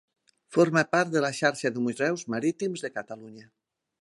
Forma part de la Xarxa de Museus Marítims de Catalunya.